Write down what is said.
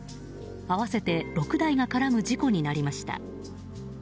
合わせて６台が絡む事故になりました。